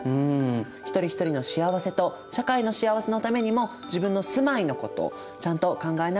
一人一人の幸せと社会の幸せのためにも自分の住まいのことちゃんと考えなくちゃ駄目だよね。